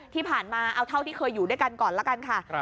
ที่ผ่านมาเอาเท่าที่เคยอยู่ด้วยกันก่อนละกันค่ะ